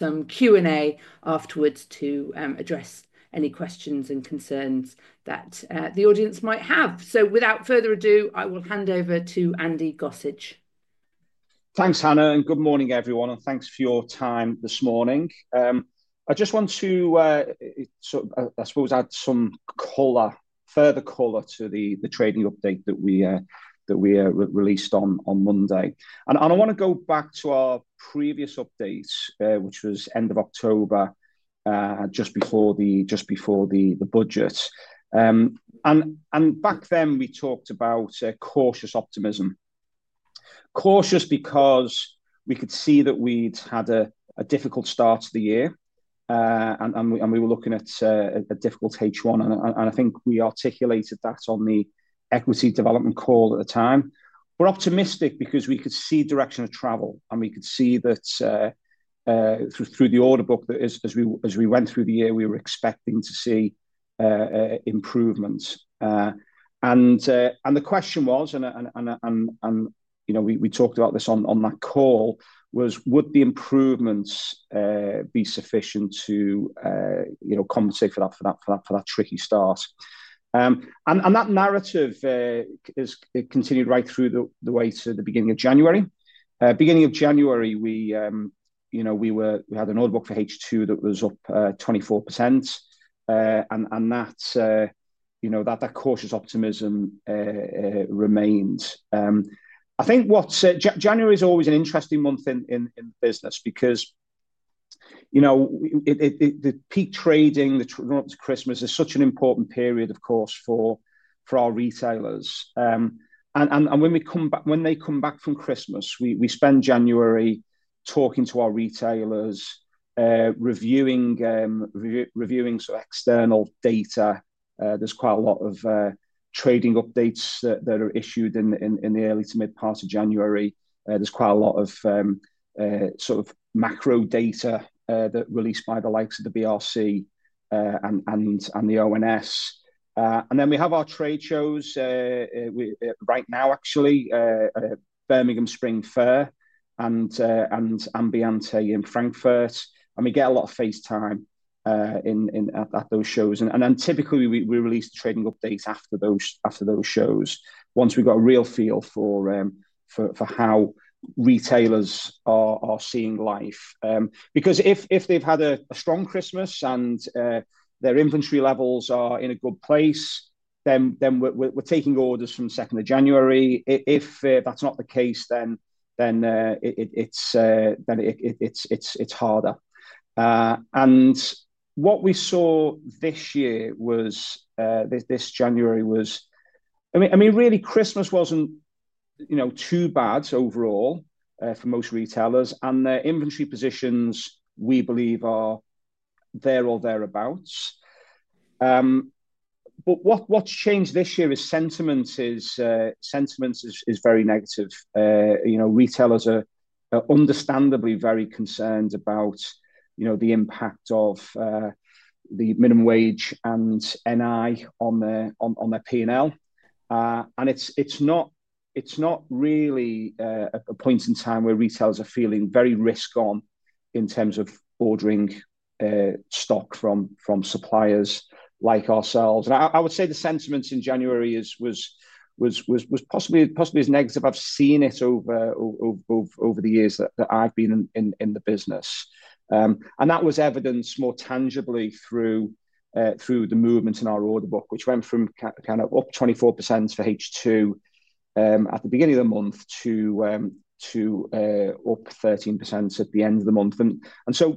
Some Q&A afterwards to address any questions and concerns that the audience might have. Without further ado, I will hand over to Andy Gossage. Thanks, Hannah, and good morning, everyone, and thanks for your time this morning. I just want to, I suppose, add some color, further color to the trading update that we released on Monday. I want to go back to our previous update, which was end of October, just before the budget. Back then, we talked about cautious optimism. Cautious because we could see that we'd had a difficult start to the year, and we were looking at a difficult H1. I think we articulated that on the equity development call at the time. We were optimistic because we could see direction of travel, and we could see that through the order book that, as we went through the year, we were expecting to see improvements. The question was, and we talked about this on that call, was, would the improvements be sufficient to compensate for that tricky start? That narrative continued right through the way to the beginning of January. Beginning of January, we had an order book for H2 that was up 24%, and that cautious optimism remained. I think January is always an interesting month in the business because the peak trading, the run-up to Christmas, is such an important period, of course, for our retailers. When they come back from Christmas, we spend January talking to our retailers, reviewing sort of external data. There is quite a lot of trading updates that are issued in the early to mid-part of January. There is quite a lot of sort of macro data that are released by the likes of the BRC and the ONS. We have our trade shows right now, actually, Birmingham Spring Fair and Ambiente in Frankfurt. We get a lot of face time at those shows. Typically, we release trading updates after those shows, once we've got a real feel for how retailers are seeing life. Because if they've had a strong Christmas and their inventory levels are in a good place, then we're taking orders from the 2nd of January. If that's not the case, then it's harder. What we saw this year was, this January was, I mean, really, Christmas wasn't too bad overall for most retailers, and their inventory positions, we believe, are there or thereabouts. What's changed this year is sentiment is very negative. Retailers are understandably very concerned about the impact of the minimum wage and NI on their P&L. It is not really a point in time where retailers are feeling very risk-on in terms of ordering stock from suppliers like ourselves. I would say the sentiment in January was possibly as negative as I have seen it over the years that I have been in the business. That was evidenced more tangibly through the movements in our order book, which went from up 24% for H2 at the beginning of the month to up 13% at the end of the month.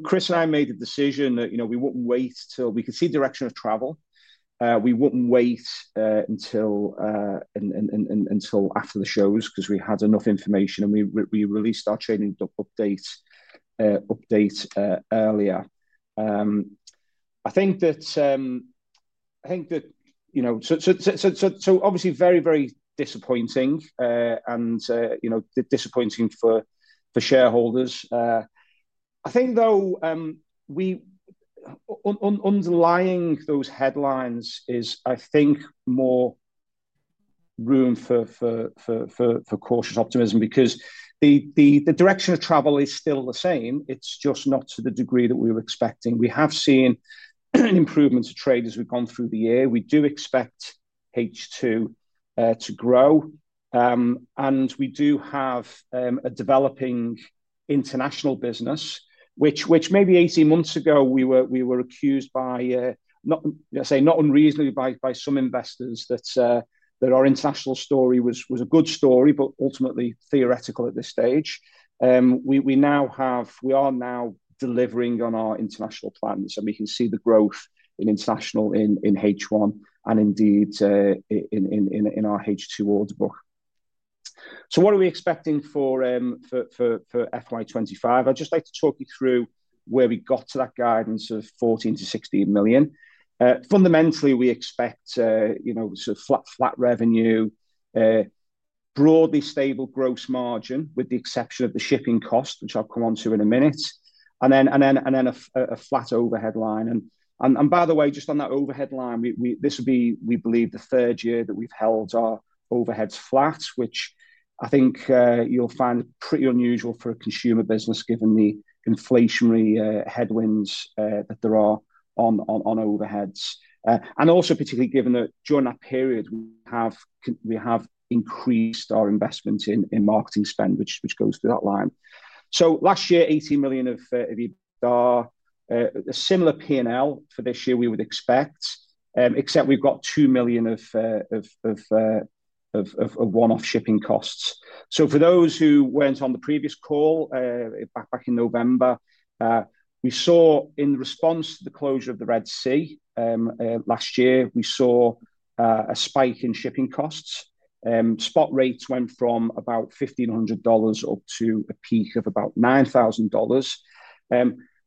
Chris and I made a decision that we would not wait till we could see direction of travel. We would not wait until after the shows because we had enough information, and we released our trading update earlier. I think that, obviously, is very, very disappointing and disappointing for shareholders. I think, though, underlying those headlines is, I think, more room for cautious optimism because the direction of travel is still the same. It's just not to the degree that we were expecting. We have seen improvements of trade as we've gone through the year. We do expect H2 to grow. We do have a developing international business, which maybe 18 months ago we were accused by, I say not unreasonably, by some investors that our international story was a good story, but ultimately theoretical at this stage. We are now delivering on our international plans, and we can see the growth in international in H1 and indeed in our H2 order book. What are we expecting for FY25? I'd just like to talk you through where we got to that guidance of 14 million-16 million. Fundamentally, we expect sort of flat revenue, broadly stable gross margin with the exception of the shipping cost, which I'll come on to in a minute, and then a flat overhead line. By the way, just on that overhead line, this will be, we believe, the third year that we've held our overheads flat, which I think you'll find pretty unusual for a consumer business given the inflationary headwinds that there are on overheads. Also, particularly given that during that period, we have increased our investment in marketing spend, which goes through that line. Last year, 18 million of the. A similar P&L for this year we would expect, except we've got 2 million of one-off shipping costs. For those who were not on the previous call back in November, we saw in response to the closure of the Red Sea last year, we saw a spike in shipping costs. Spot rates went from about $1,500 up to a peak of about $9,000.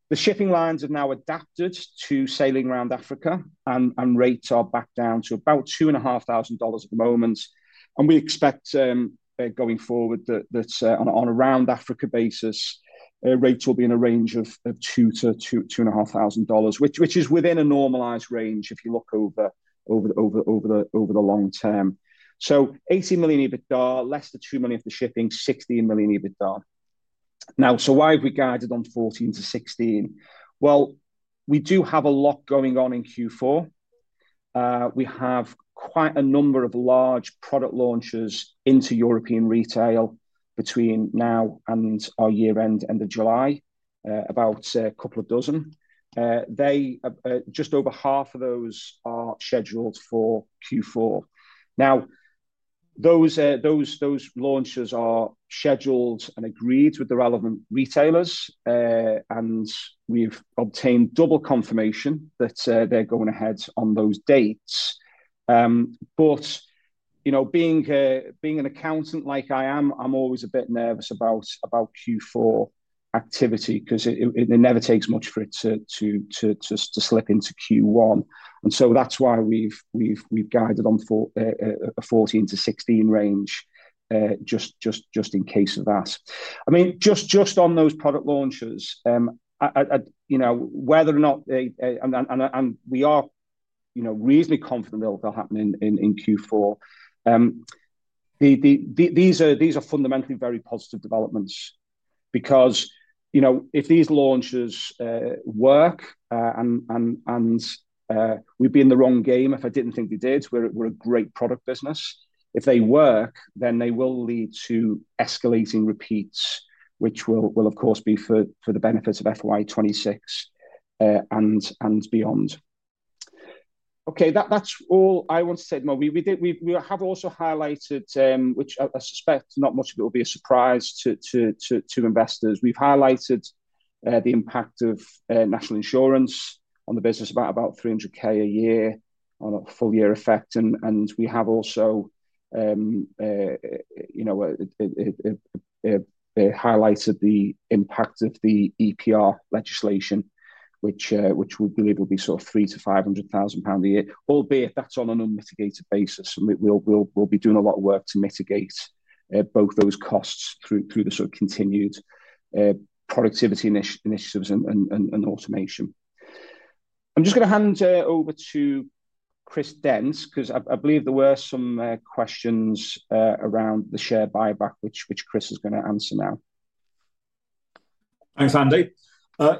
The shipping lines have now adapted to sailing around Africa, and rates are back down to about $2,500 at the moment. We expect going forward that on a round Africa basis, rates will be in a range of $2,000-$2,500, which is within a normalized range if you look over the long term. Eighteen million EBITDA, less than $2 million for shipping, sixteen million EBITDA. Now, why have we guided on $14 million-$16 million? We do have a lot going on in Q4. We have quite a number of large product launches into European retail between now and our year-end end of July, about a couple of dozen. Just over half of those are scheduled for Q4. Now, those launches are scheduled and agreed with the relevant retailers, and we've obtained double confirmation that they're going ahead on those dates. Being an accountant like I am, I'm always a bit nervous about Q4 activity because it never takes much for it to slip into Q1. That is why we've guided on for a 14-16 range, just in case of that. I mean, just on those product launches, whether or not they—and we are reasonably confident they'll happen in Q4—these are fundamentally very positive developments because if these launches work and we'd be in the wrong game if I didn't think they did, we're a great product business. If they work, then they will lead to escalating repeats, which will, of course, be for the benefits of FY26 and beyond. Okay, that's all I want to say at the moment. We have also highlighted, which I suspect not much of it will be a surprise to investors. We've highlighted the impact of National Insurance on the business, about 300,000 a year on a full-year effect. We have also highlighted the impact of the EPR legislation, which we believe will be sort of 300,000-500,000 pound a year, albeit that's on an unmitigated basis. We will be doing a lot of work to mitigate both those costs through the sort of continued productivity initiatives and automation. I'm just going to hand over to Chris Dent because I believe there were some questions around the share buyback, which Chris is going to answer now. Thanks, Andy.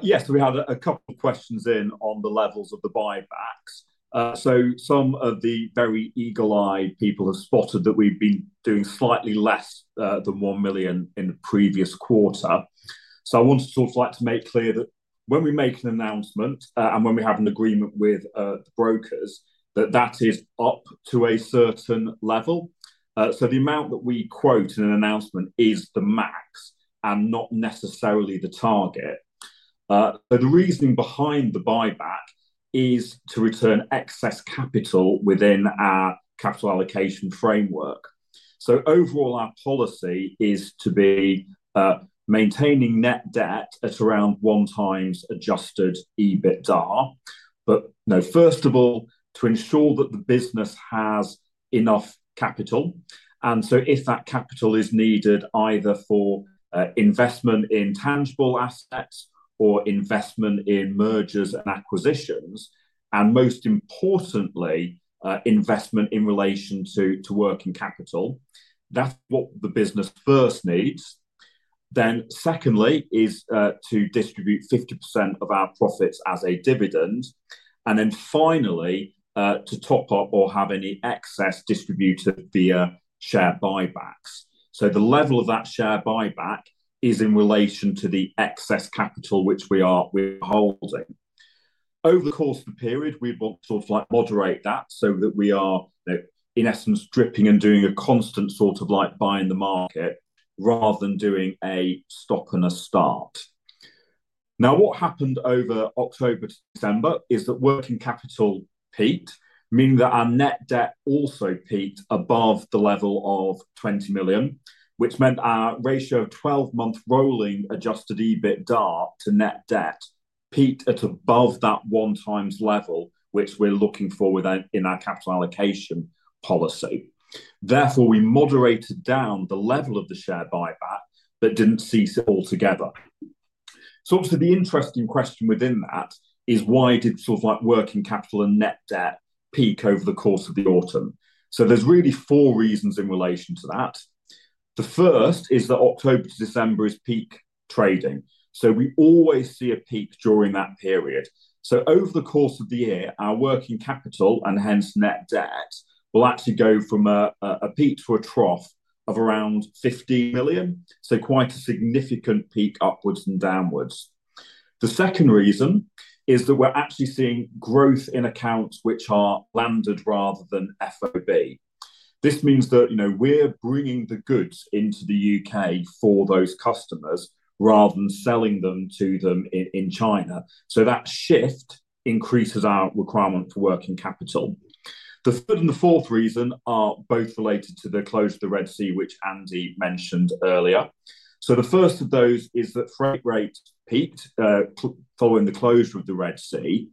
Yes, we had a couple of questions in on the levels of the buybacks. Some of the very eagle-eyed people have spotted that we've been doing slightly less than 1 million in the previous quarter. I want to make clear that when we make an announcement and when we have an agreement with brokers, that is up to a certain level. The amount that we quote in an announcement is the max and not necessarily the target. The reasoning behind the buyback is to return excess capital within our capital allocation framework. Overall, our policy is to be maintaining net debt at around one times adjusted EBITDA. First of all, to ensure that the business has enough capital. If that capital is needed either for investment in tangible assets or investment in mergers and acquisitions, and most importantly, investment in relation to working capital, that's what the business first needs. Secondly is to distribute 50% of our profits as a dividend. Finally, to top up or have any excess distributed via share buybacks. The level of that share buyback is in relation to the excess capital which we are holding. Over the course of the period, we'd want to sort of moderate that so that we are, in essence, dripping and doing a constant sort of like buy in the market rather than doing a stop and a start. Now, what happened over October to December is that working capital peaked, meaning that our net debt also peaked above the level of 20 million, which meant our ratio of 12-month rolling adjusted EBITDA to net debt peaked at above that one times level, which we're looking for in our capital allocation policy. Therefore, we moderated down the level of the share buyback, but didn't cease it altogether. Obviously, the interesting question within that is why did sort of like working capital and net debt peak over the course of the autumn? There are really four reasons in relation to that. The first is that October to December is peak trading. We always see a peak during that period. Over the course of the year, our working capital and hence net debt will actually go from a peak to a trough of around 15 million. Quite a significant peak upwards and downwards. The second reason is that we're actually seeing growth in accounts which are landed rather than FOB. This means that we're bringing the goods into the U.K. for those customers rather than selling them to them in China. That shift increases our requirement for working capital. The third and the fourth reason are both related to the close of the Red Sea, which Andy mentioned earlier. The first of those is that freight rate peaked following the closure of the Red Sea.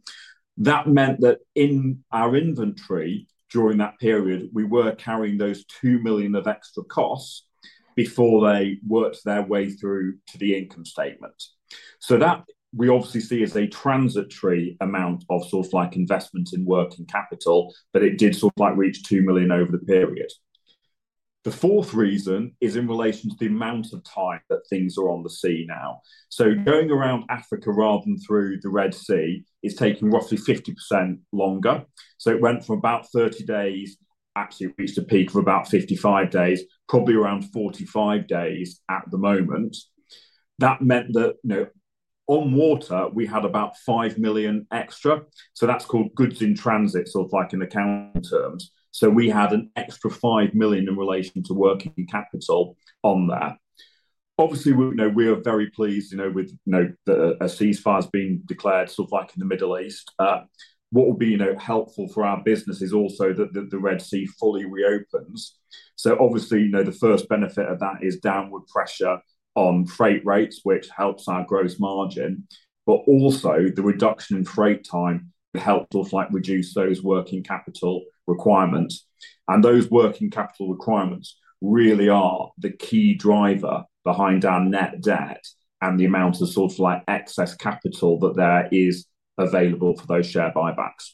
That meant that in our inventory during that period, we were carrying those 2 million of extra costs before they worked their way through to the income statement. That we obviously see as a transitory amount of sort of like investment in working capital, but it did sort of like reach 2 million over the period. The fourth reason is in relation to the amount of time that things are on the sea now. Going around Africa rather than through the Red Sea is taking roughly 50% longer. It went from about 30 days, actually reached a peak of about 55 days, probably around 45 days at the moment. That meant that on water, we had about 5 million extra. That is called goods in transit, sort of like in accounting terms. We had an extra 5 million in relation to working capital on that. Obviously, we are very pleased with a ceasefire being declared sort of like in the Middle East. What will be helpful for our business is also that the Red Sea fully reopens. The first benefit of that is downward pressure on freight rates, which helps our gross margin. Also, the reduction in freight time helped sort of like reduce those working capital requirements. And those working capital requirements really are the key driver behind our net debt and the amount of sort of like excess capital that there is available for those share buybacks.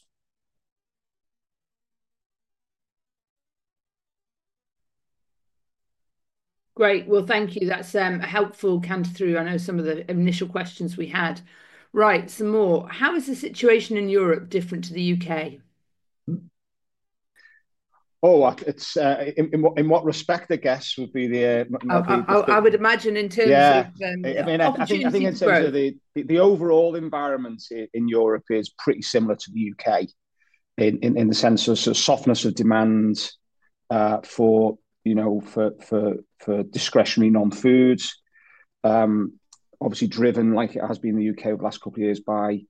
Great. Thank you. That's helpful, kind of through, I know, some of the initial questions we had. Right, some more. How is the situation in Europe different to the U.K.? Oh, in what respect, I guess, would be the? I would imagine in terms of. Yeah. I mean, I think in terms of the overall environment in Europe, it is pretty similar to the U.K. in the sense of sort of softness of demand for discretionary non-foods, obviously driven like it has been in the U.K. over the last couple of years by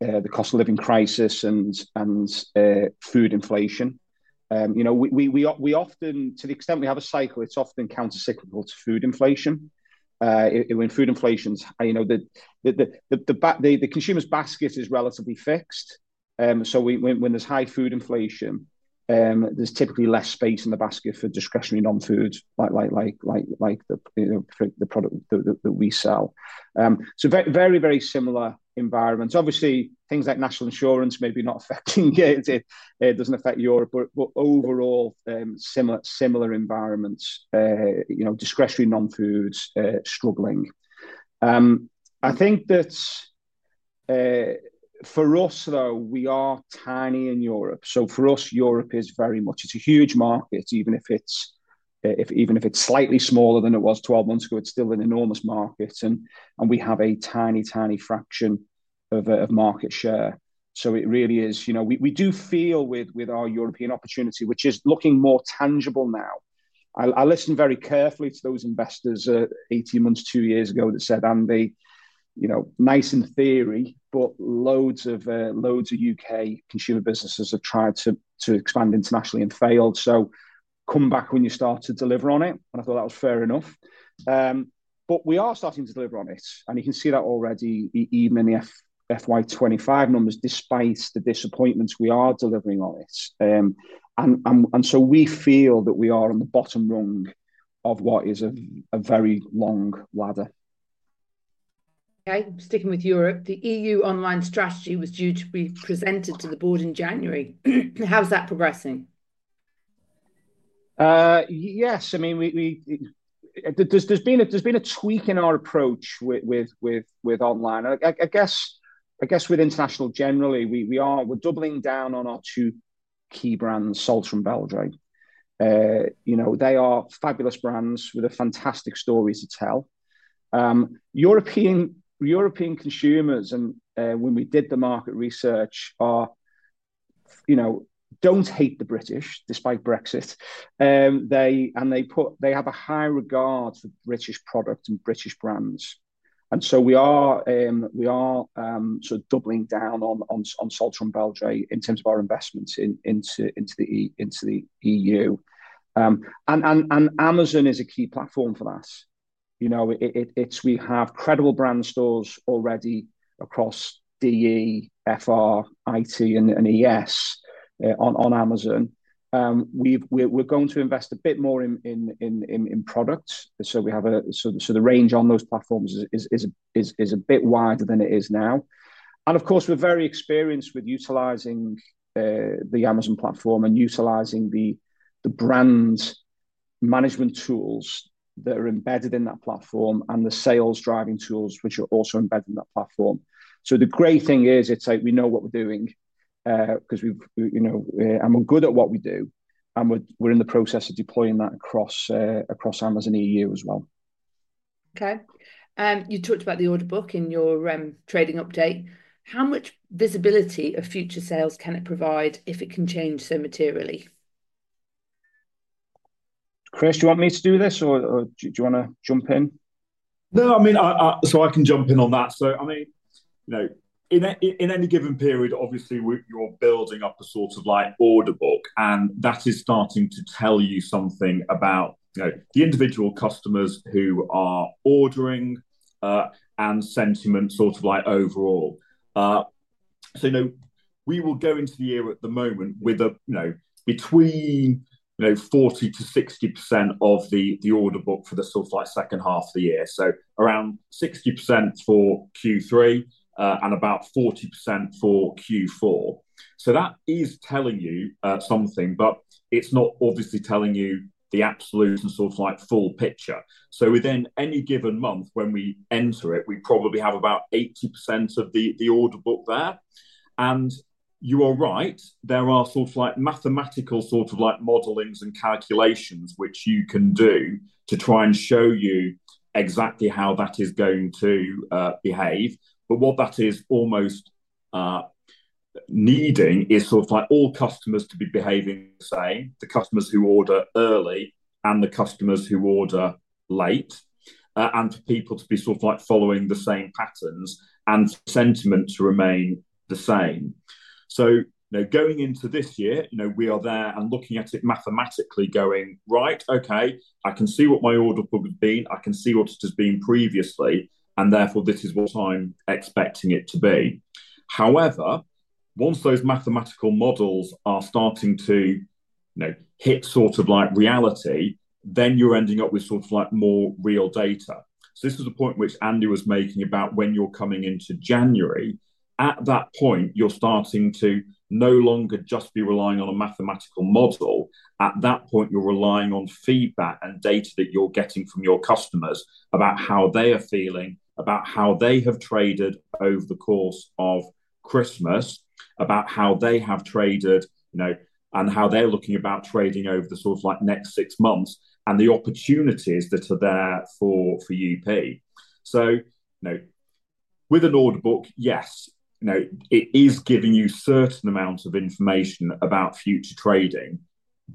the cost of living crisis and food inflation. We often, to the extent we have a cycle, it's often countercyclical to food inflation. When food inflation's high, the consumer's basket is relatively fixed. So when there's high food inflation, there's typically less space in the basket for discretionary non-foods like the product that we sell. Very, very similar environments. Obviously, things like National Insurance may be not affecting it. It does not affect Europe, but overall, similar environments, discretionary non-foods struggling. I think that for us, though, we are tiny in Europe. Europe is very much a huge market for us, even if it is slightly smaller than it was 12 months ago, it is still an enormous market. We have a tiny, tiny fraction of market share. It really is, we do feel with our European opportunity, which is looking more tangible now. I listened very carefully to those investors 18 months, two years ago that said, "Andy, nice in theory, but loads of U.K. consumer businesses have tried to expand internationally and failed. Come back when you start to deliver on it." I thought that was fair enough. We are starting to deliver on it. You can see that already even in the FY25 numbers, despite the disappointments, we are delivering on it. We feel that we are on the bottom rung of what is a very long ladder. Okay, sticking with Europe, the EU online strategy was due to be presented to the board in January. How's that progressing? Yes. I mean, there's been a tweak in our approach with online. I guess with international generally, we're doubling down on our two key brands, Salz and Belgrade. They are fabulous brands with fantastic stories to tell. European consumers, and when we did the market research, do not hate the British despite Brexit. They have a high regard for British products and British brands. We are sort of doubling down on Salz and Belgrade in terms of our investments into the EU. Amazon is a key platform for us. We have credible brand stores already across DE, FR, IT, and ES on Amazon. We're going to invest a bit more in products. The range on those platforms is a bit wider than it is now. Of course, we're very experienced with utilizing the Amazon platform and utilizing the brand management tools that are embedded in that platform and the sales driving tools, which are also embedded in that platform. The great thing is we know what we're doing because we're good at what we do. We're in the process of deploying that across Amazon EU as well. Okay. You talked about the order book in your trading update. How much visibility of future sales can it provide if it can change so materially? Chris, do you want me to do this or do you want to jump in? No, I mean, I can jump in on that. I mean, in any given period, obviously, you're building up a sort of like order book. That is starting to tell you something about the individual customers who are ordering and sentiment sort of like overall. We will go into the year at the moment with between 40-60% of the order book for the sort of like second half of the year. Around 60% for Q3 and about 40% for Q4. That is telling you something, but it's not obviously telling you the absolute and sort of like full picture. Within any given month when we enter it, we probably have about 80% of the order book there. You are right, there are sort of like mathematical sort of like modelings and calculations which you can do to try and show you exactly how that is going to behave. What that is almost needing is sort of like all customers to be behaving the same, the customers who order early and the customers who order late, and for people to be sort of like following the same patterns and sentiment to remain the same. Going into this year, we are there and looking at it mathematically going, "Right, okay, I can see what my order book has been. I can see what it has been previously. And therefore, this is what I'm expecting it to be." However, once those mathematical models are starting to hit sort of like reality, then you're ending up with sort of like more real data. This is the point which Andy was making about when you're coming into January. At that point, you're starting to no longer just be relying on a mathematical model. At that point, you're relying on feedback and data that you're getting from your customers about how they are feeling, about how they have traded over the course of Christmas, about how they have traded and how they're looking about trading over the sort of like next six months and the opportunities that are there for UP. With an order book, yes, it is giving you a certain amount of information about future trading,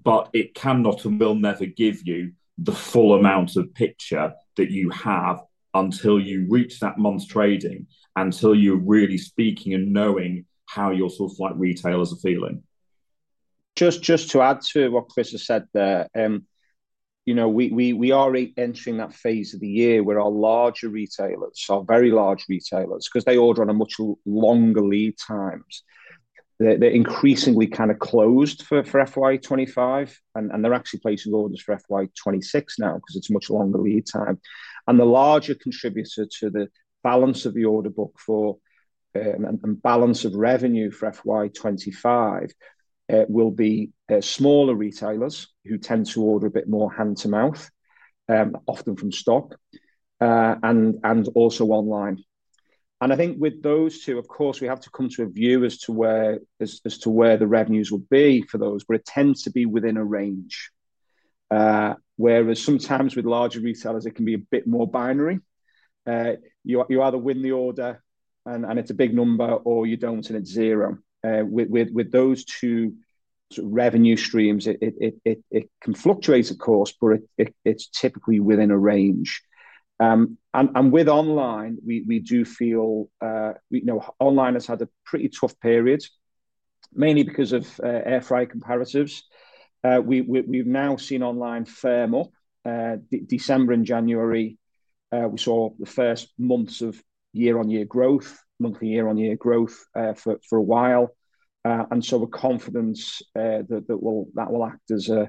but it cannot and will never give you the full amount of picture that you have until you reach that month's trading, until you're really speaking and knowing how your sort of like retailers are feeling. Just to add to what Chris has said there, we are entering that phase of the year where our larger retailers are very large retailers because they order on a much longer lead time. They're increasingly kind of closed for FY25, and they're actually placing orders for FY26 now because it's a much longer lead time. The larger contributor to the balance of the order book for and balance of revenue for FY25 will be smaller retailers who tend to order a bit more hand-to-mouth, often from stock and also online. I think with those two, of course, we have to come to a view as to where the revenues will be for those, but it tends to be within a range. Whereas sometimes with larger retailers, it can be a bit more binary. You either win the order and it's a big number, or you don't and it's zero. With those two revenue streams, it can fluctuate, of course, but it's typically within a range. With online, we do feel online has had a pretty tough period, mainly because of air fryer comparatives. We've now seen online firm up. December and January, we saw the first months of year-on-year growth, monthly year-on-year growth for a while. We are confident that that will act as a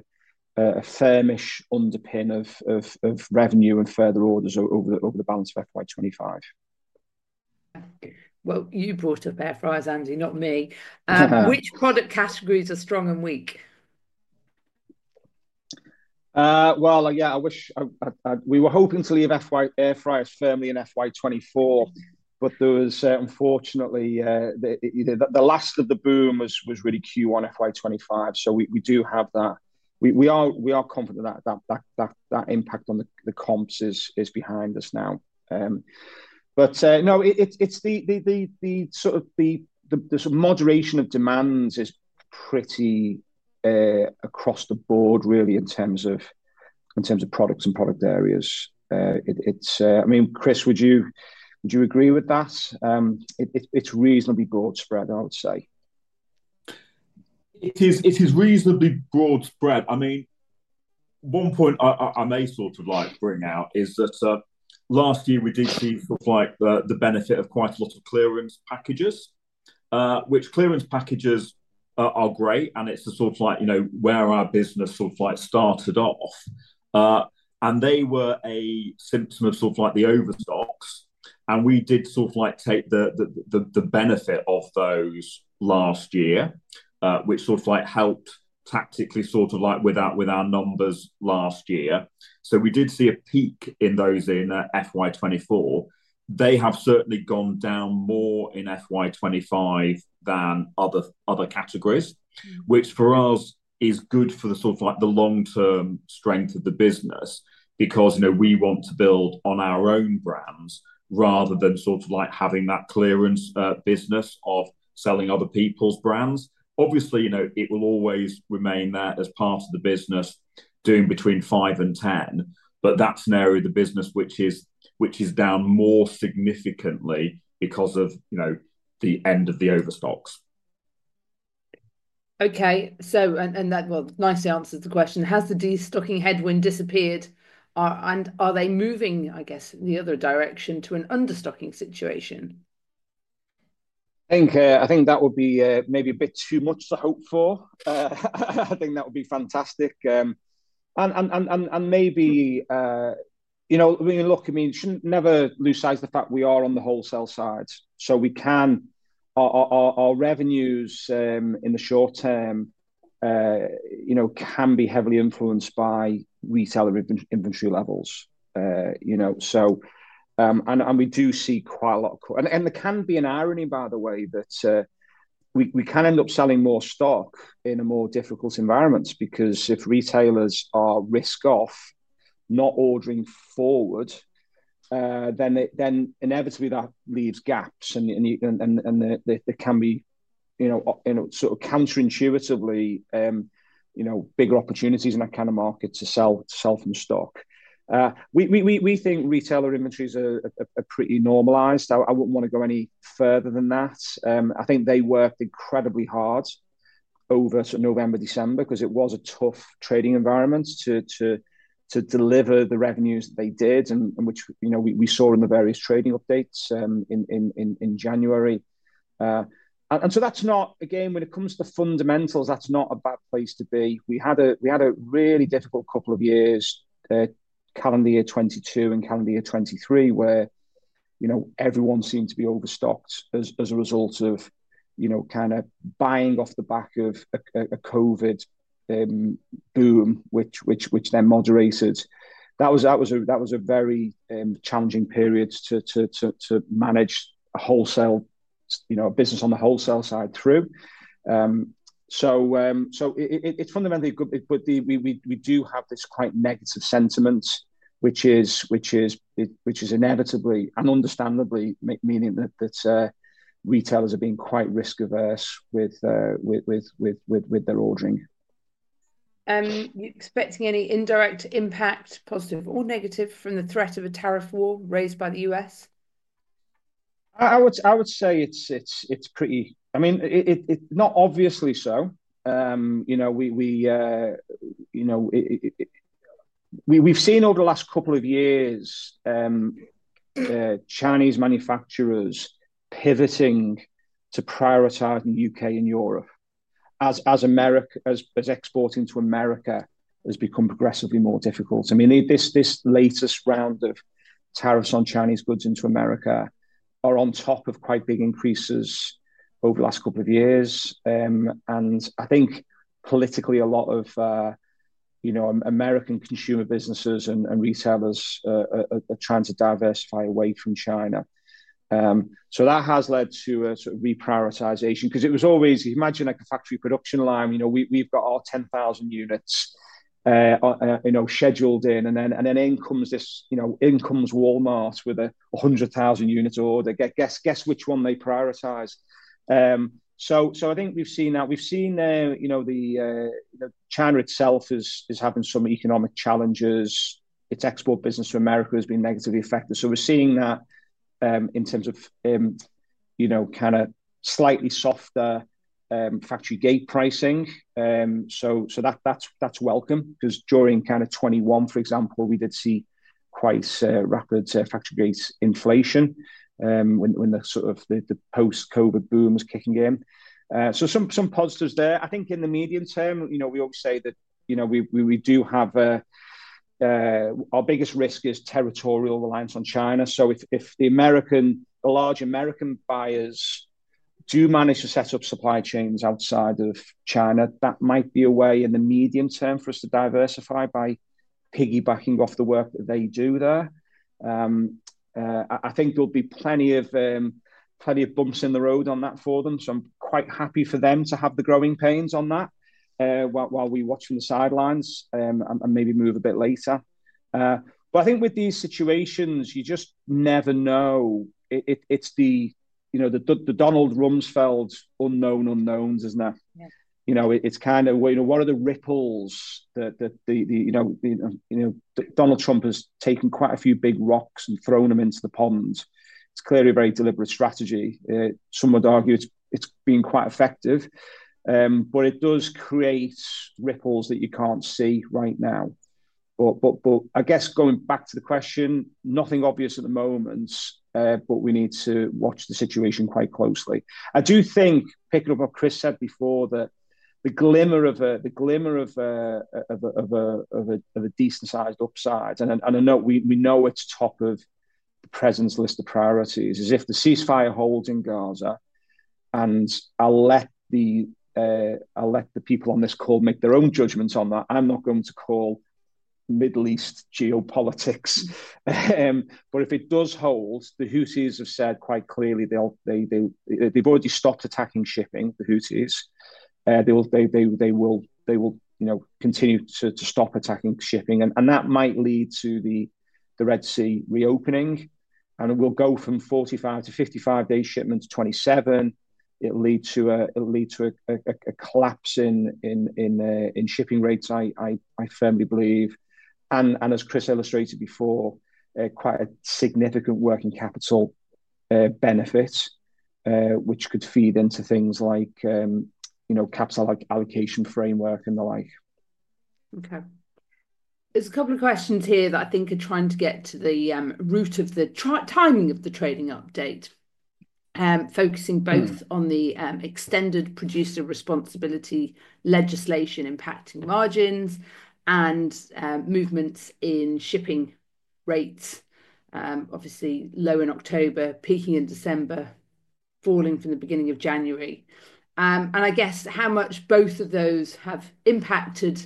firmish underpin of revenue and further orders over the balance of FY25. You brought up air fryers, Andy, not me. Which product categories are strong and weak? Yeah, we were hoping to leave air fryers firmly in FY24, but unfortunately, the last of the boom was really Q1, FY25. We do have that. We are confident that impact on the comps is behind us now. It is the sort of moderation of demands that is pretty across the board, really, in terms of products and product areas. I mean, Chris, would you agree with that? It is reasonably broad spread, I would say. It is reasonably broad spread. I mean, one point I may sort of like bring out is that last year, we did see sort of like the benefit of quite a lot of clearance packages, which clearance packages are great. It is sort of like where our business sort of like started off. They were a symptom of sort of like the overstocks. We did sort of like take the benefit of those last year, which sort of like helped tactically sort of like with our numbers last year. We did see a peak in those in FY24. They have certainly gone down more in FY25 than other categories, which for us is good for the sort of like the long-term strength of the business because we want to build on our own brands rather than sort of like having that clearance business of selling other people's brands. Obviously, it will always remain there as part of the business doing between 5 and 10, but that's an area of the business which is down more significantly because of the end of the overstocks. Okay. That will nicely answer the question. Has the destocking headwind disappeared? Are they moving, I guess, in the other direction to an understocking situation? I think that would be maybe a bit too much to hope for. I think that would be fantastic. I mean, you should never lose sight of the fact we are on the wholesale side. Our revenues in the short term can be heavily influenced by retailer inventory levels. We do see quite a lot of, and there can be an irony, by the way, that we can end up selling more stock in a more difficult environment because if retailers are risk-off, not ordering forward, then inevitably that leaves gaps. There can be, sort of counterintuitively, bigger opportunities in that kind of market to sell from stock. We think retailer inventories are pretty normalized. I would not want to go any further than that. I think they worked incredibly hard over November, December because it was a tough trading environment to deliver the revenues that they did, which we saw in the various trading updates in January. That is not, again, when it comes to fundamentals, that is not a bad place to be. We had a really difficult couple of years, calendar year 22 and calendar year 23, where everyone seemed to be overstocked as a result of kind of buying off the back of a COVID boom, which then moderated. That was a very challenging period to manage a wholesale business on the wholesale side through. It is fundamentally good, but we do have this quite negative sentiment, which is inevitably and understandably meaning that retailers are being quite risk-averse with their ordering. Are you expecting any indirect impact, positive or negative, from the threat of a tariff war raised by the US? I would say it's pretty, I mean, not obviously so. We've seen over the last couple of years Chinese manufacturers pivoting to prioritizing the U.K. and Europe as exporting to America has become progressively more difficult. I mean, this latest round of tariffs on Chinese goods into America are on top of quite big increases over the last couple of years. I think politically, a lot of American consumer businesses and retailers are trying to diversify away from China. That has led to a sort of reprioritization because it was always, imagine like a factory production line. We've got our 10,000 units scheduled in. Then in comes Walmart with a 100,000 unit order. Guess which one they prioritize. I think we've seen that. We've seen that China itself is having some economic challenges. Its export business to America has been negatively affected. We're seeing that in terms of kind of slightly softer factory gate pricing. That's welcome because during 2021, for example, we did see quite rapid factory gate inflation when sort of the post-COVID boom was kicking in. Some positives there. I think in the medium term, we always say that we do have our biggest risk is territorial reliance on China. If the large American buyers do manage to set up supply chains outside of China, that might be a way in the medium term for us to diversify by piggybacking off the work that they do there. I think there will be plenty of bumps in the road on that for them. I'm quite happy for them to have the growing pains on that while we watch from the sidelines and maybe move a bit later. I think with these situations, you just never know. It's the Donald Rumsfeld unknown unknowns, isn't it? It's kind of what are the ripples that Donald Trump has taken quite a few big rocks and thrown them into the pond. It's clearly a very deliberate strategy. Some would argue it's been quite effective, but it does create ripples that you can't see right now. I guess going back to the question, nothing obvious at the moment, but we need to watch the situation quite closely. I do think, picking up what Chris said before, that the glimmer of a decent-sized upside, and I know we know it's top of the president's list of priorities, is if the ceasefire holds in Gaza and I'll let the people on this call make their own judgments on that, I'm not going to call Middle East geopolitics. If it does hold, the Houthis have said quite clearly they've already stopped attacking shipping, the Houthis. They will continue to stop attacking shipping. That might lead to the Red Sea reopening. It will go from 45-55 day shipments, 27. It will lead to a collapse in shipping rates, I firmly believe. As Chris illustrated before, quite a significant working capital benefit, which could feed into things like capital allocation framework and the like. Okay. There's a couple of questions here that I think are trying to get to the root of the timing of the trading update, focusing both on the extended producer responsibility legislation impacting margins and movements in shipping rates, obviously low in October, peaking in December, falling from the beginning of January. I guess how much both of those have impacted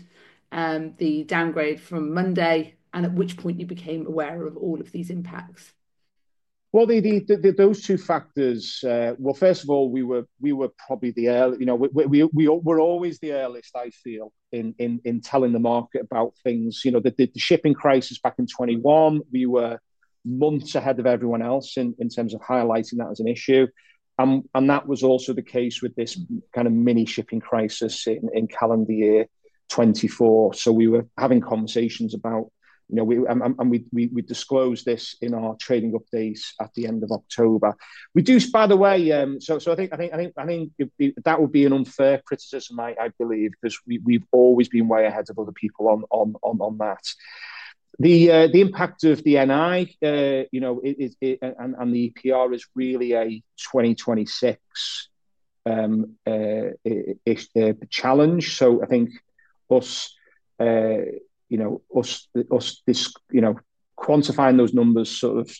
the downgrade from Monday and at which point you became aware of all of these impacts? Those two factors, first of all, we were probably the earliest, I feel, in telling the market about things. The shipping crisis back in 21, we were months ahead of everyone else in terms of highlighting that as an issue. That was also the case with this kind of mini shipping crisis in calendar year 24. We were having conversations about it and we disclosed this in our trading updates at the end of October. Reduced, by the way. I think that would be an unfair criticism, I believe, because we've always been way ahead of other people on that. The impact of the NI and the EPR is really a 2026 challenge. I think us quantifying those numbers sort of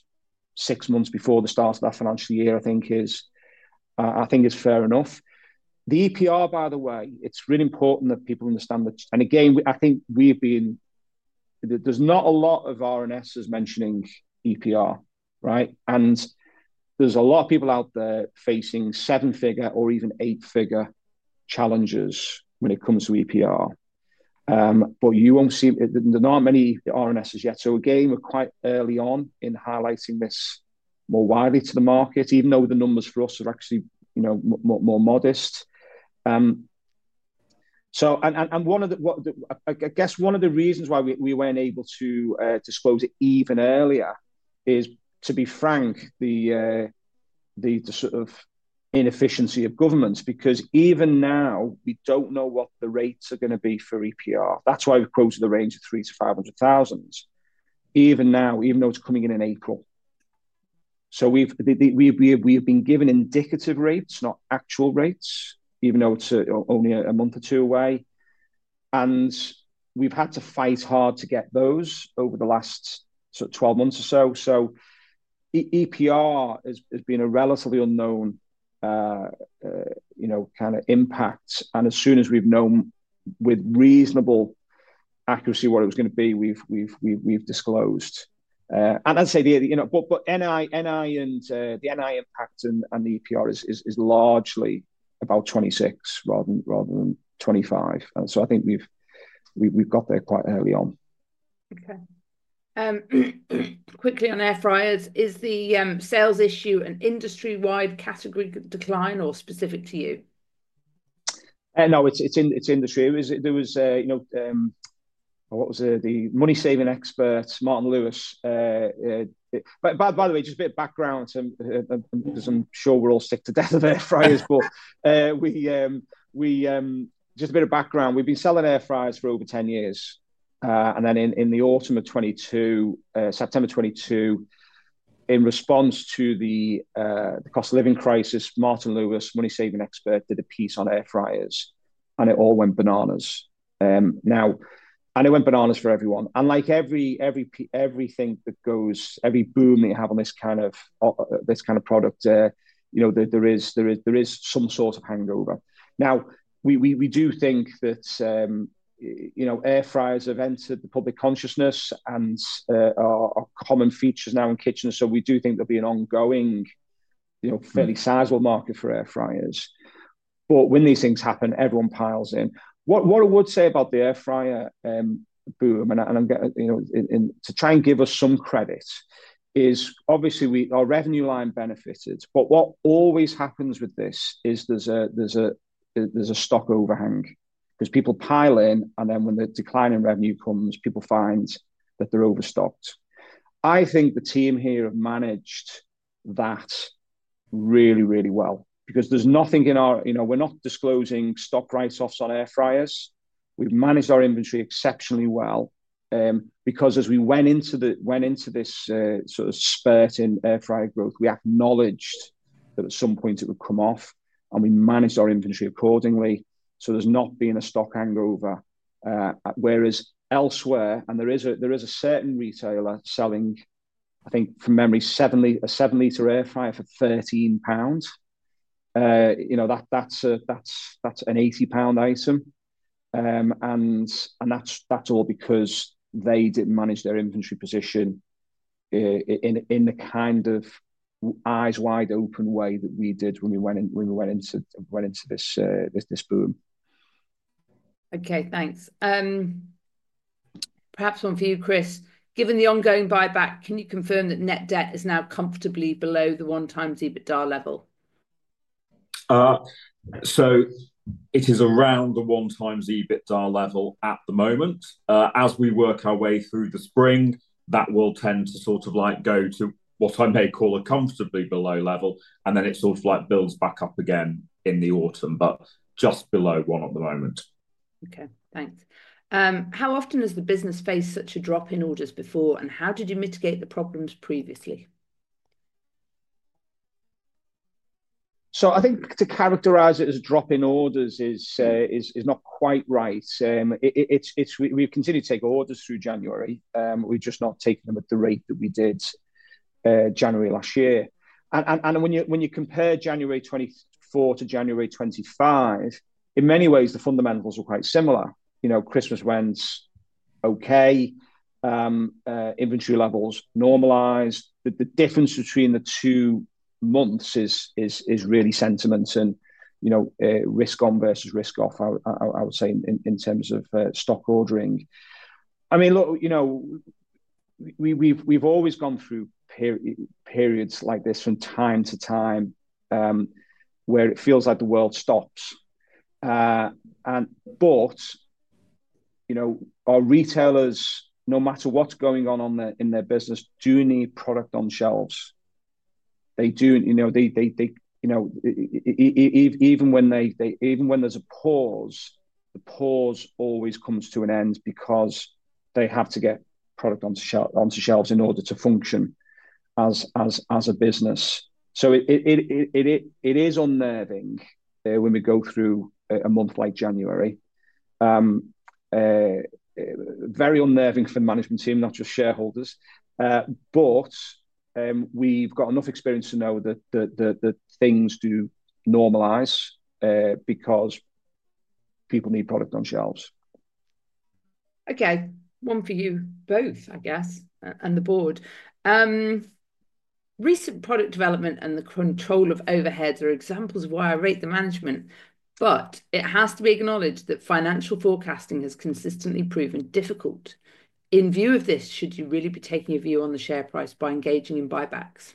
six months before the start of that financial year, I think, is fair enough. The EPR, by the way, it's really important that people understand that. I think we've been there's not a lot of R&Ss mentioning EPR, right? There's a lot of people out there facing seven-figure or even eight-figure challenges when it comes to EPR. You won't see there aren't many R&Ss yet. We're quite early on in highlighting this more widely to the market, even though the numbers for us are actually more modest. I guess one of the reasons why we weren't able to disclose it even earlier is, to be frank, the sort of inefficiency of governments, because even now, we don't know what the rates are going to be for EPR. That's why we've quoted a range of 300,000-500,000, even now, even though it's coming in in April. We've been given indicative rates, not actual rates, even though it's only a month or two away. We've had to fight hard to get those over the last 12 months or so. EPR has been a relatively unknown kind of impact. As soon as we've known with reasonable accuracy what it was going to be, we've disclosed. I'd say the NI and the NI impact and the EPR is largely about 26 rather than 25. I think we've got there quite early on. Okay. Quickly on air fryers, is the sales issue an industry-wide category decline or specific to you? No, it's industry. There was what was the money-saving expert, Martin Lewis. By the way, just a bit of background, because I'm sure we're all sick to death of air fryers, just a bit of background. We've been selling air fryers for over 10 years. In the autumn of 22, September 22, in response to the cost of living crisis, Martin Lewis, money-saving expert, did a piece on air fryers. It all went bananas. It went bananas for everyone. Like every boom that you have on this kind of product, there is some sort of hangover. We do think that air fryers have entered the public consciousness and are common features now in kitchens. We do think there will be an ongoing fairly sizable market for air fryers. When these things happen, everyone piles in. What I would say about the air fryer boom, and to try and give us some credit, is obviously our revenue line benefited. What always happens with this is there's a stock overhang because people pile in, and then when the declining revenue comes, people find that they're overstocked. I think the team here have managed that really, really well because there's nothing in our we're not disclosing stock write-offs on air fryers. We've managed our inventory exceptionally well because as we went into this sort of spurt in air fryer growth, we acknowledged that at some point it would come off, and we managed our inventory accordingly. There's not been a stock hangover. Whereas elsewhere, and there is a certain retailer selling, I think, from memory, a 7-liter air fryer for 13 pounds. That's a 80 pound item. That's all because they didn't manage their inventory position in the kind of eyes-wide open way that we did when we went into this boom. Okay. Thanks. Perhaps one for you, Chris. Given the ongoing buyback, can you confirm that net debt is now comfortably below the one-times EBITDA level? It is around the one-times EBITDA level at the moment. As we work our way through the spring, that will tend to sort of go to what I may call a comfortably below level. It sort of builds back up again in the autumn, but just below one at the moment. Okay. Thanks. How often has the business faced such a drop in orders before, and how did you mitigate the problems previously? I think to characterize it as a drop in orders is not quite right. We've continued to take orders through January. We've just not taken them at the rate that we did January last year. When you compare January 24 to January 25, in many ways, the fundamentals are quite similar. Christmas went okay. Inventory levels normalized. The difference between the two months is really sentiment and risk-on versus risk-off, I would say, in terms of stock ordering. I mean, we've always gone through periods like this from time to time where it feels like the world stops. Our retailers, no matter what's going on in their business, do need product on shelves. They do. Even when there's a pause, the pause always comes to an end because they have to get product onto shelves in order to function as a business. It is unnerving when we go through a month like January. Very unnerving for the management team, not just shareholders. We have enough experience to know that things do normalize because people need product on shelves. Okay. One for you both, I guess, and the board. Recent product development and the control of overheads are examples of why I rate the management. It has to be acknowledged that financial forecasting has consistently proven difficult. In view of this, should you really be taking a view on the share price by engaging in buybacks?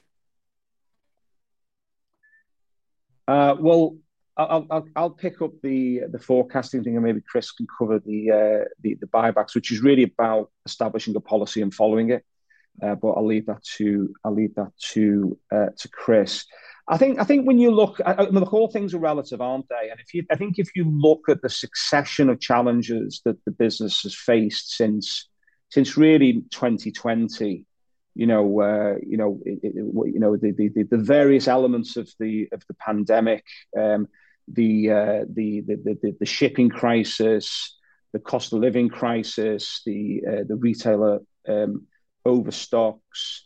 I'll pick up the forecasting thing, and maybe Chris can cover the buybacks, which is really about establishing a policy and following it. I think when you look, the whole things are relative, aren't they? I think if you look at the succession of challenges that the business has faced since really 2020, the various elements of the pandemic, the shipping crisis, the cost of living crisis, the retailer overstocks.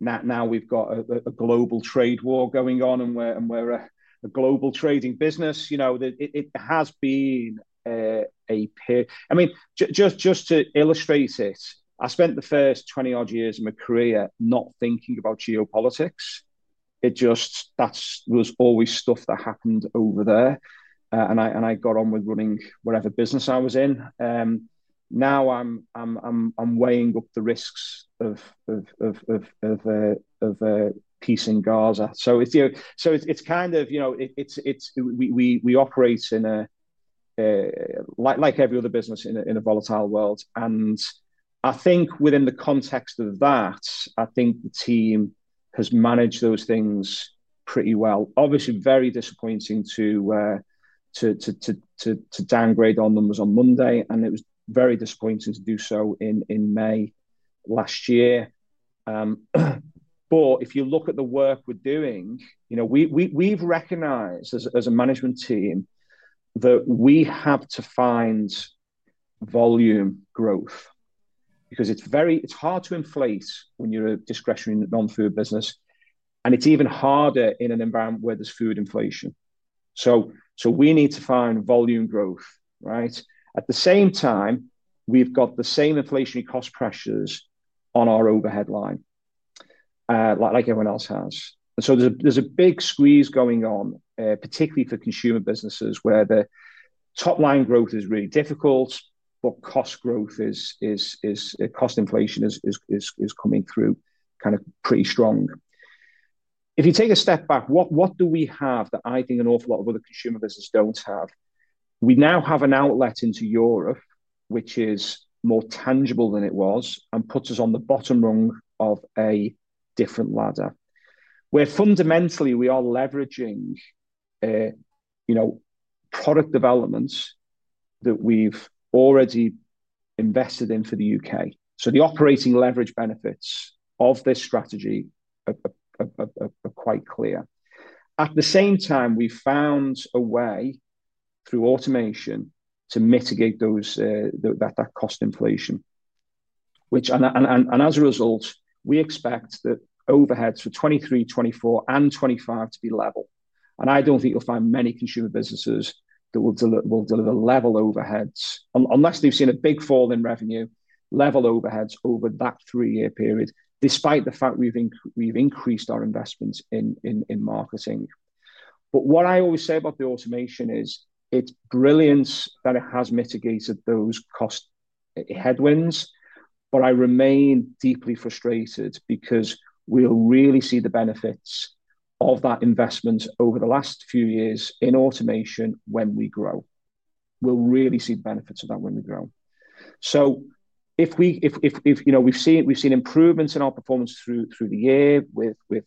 Now we've got a global trade war going on, and we're a global trading business. It has been a, I mean, just to illustrate it, I spent the first 20-odd years of my career not thinking about geopolitics. It just was always stuff that happened over there. I got on with running whatever business I was in. Now I'm weighing up the risks of peace in Gaza. We operate in, like every other business, in a volatile world. I think within the context of that, I think the team has managed those things pretty well. Obviously, very disappointing to downgrade on numbers on Monday. It was very disappointing to do so in May last year. If you look at the work we're doing, we've recognized as a management team that we have to find volume growth because it's hard to inflate when you're a discretionary non-food business. It's even harder in an environment where there's food inflation. We need to find volume growth, right? At the same time, we've got the same inflationary cost pressures on our overhead line like everyone else has. There is a big squeeze going on, particularly for consumer businesses, where the top-line growth is really difficult, but cost growth is, cost inflation is coming through kind of pretty strong. If you take a step back, what do we have that I think an awful lot of other consumer businesses do not have? We now have an outlet into Europe, which is more tangible than it was, and puts us on the bottom rung of a different ladder, where fundamentally we are leveraging product developments that we have already invested in for the U.K. The operating leverage benefits of this strategy are quite clear. At the same time, we found a way through automation to mitigate that cost inflation. As a result, we expect that overheads for 23, 24, and 25 to be level. I don't think you'll find many consumer businesses that will deliver level overheads, unless they've seen a big fall in revenue, level overheads over that three-year period, despite the fact we've increased our investments in marketing. What I always say about the automation is it's brilliant that it has mitigated those cost headwinds. I remain deeply frustrated because we'll really see the benefits of that investment over the last few years in automation when we grow. We'll really see the benefits of that when we grow. If we've seen improvements in our performance through the year, with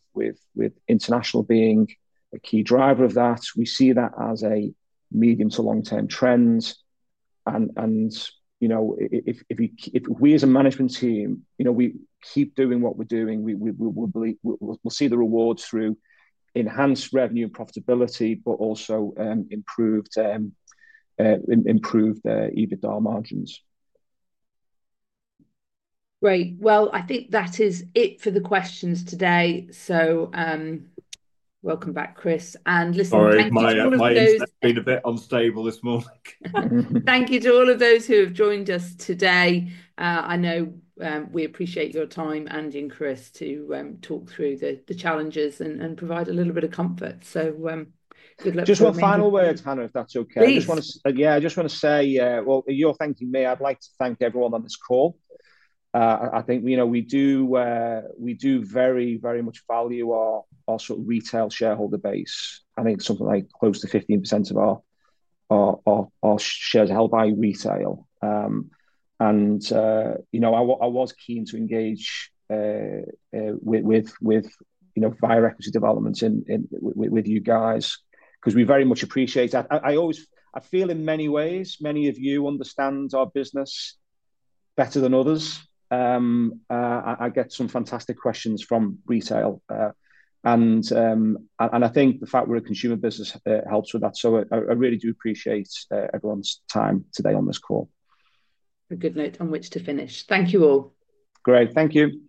international being a key driver of that, we see that as a medium to long-term trend. If we, as a management team, keep doing what we're doing, we'll see the rewards through enhanced revenue and profitability, but also improved EBITDA margins. Great. I think that is it for the questions today. Welcome back, Chris. Listen, thank you to all of those. All right. My internet's been a bit unstable this morning. Thank you to all of those who have joined us today. I know we appreciate your time and interest to talk through the challenges and provide a little bit of comfort. Good luck to everyone. Just one final word, Hannah, if that's okay. Please. Yeah, I just want to say, while you're thanking me, I'd like to thank everyone on this call. I think we do very, very much value our sort of retail shareholder base. I think something like close to 15% of our shares are held by retail. I was keen to engage with fire equity developments with you guys because we very much appreciate that. I feel in many ways, many of you understand our business better than others. I get some fantastic questions from retail. I think the fact we're a consumer business helps with that. I really do appreciate everyone's time today on this call. A good note on which to finish. Thank you all. Great. Thank you.